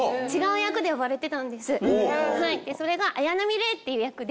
それが綾波レイっていう役で。